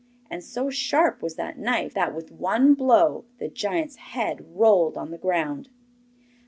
And so sharp was that knife that, with one blow, the giant's head rolled on the ground.